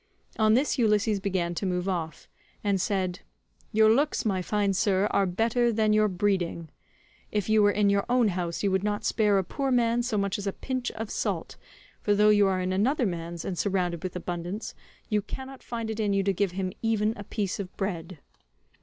On this Ulysses began to move off, and said, "Your looks, my fine sir, are better than your breeding; if you were in your own house you would not spare a poor man so much as a pinch of salt, for though you are in another man's, and surrounded with abundance, you cannot find it in you to give him even a piece of bread."